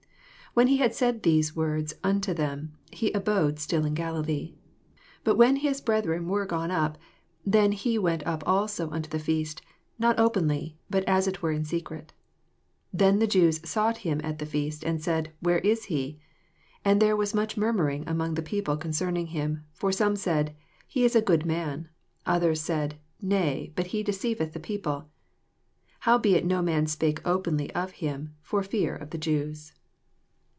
9 When he had said these words un* to them, he abode still in Galilee. 10 IT But when his brethren were gone up, then went he also up unto the feast, not openly, but as it were in se cret. 11 Then the Jews sought him at the feast, and said. Where is he T 12 And there was much murmuring among the people concerning him: for some said, He is a good man: othen said. Nay; but ho deoeiyeth the peo ple. 13 Howbeit no man spake openly of him for fear of the Jews.